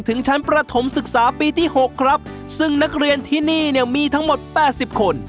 ถึงชั้นประถมศึกษาปีที่หกครับซึ่งนักเรียนที่นี่เนี่ยมีทั้งหมดแปดสิบคน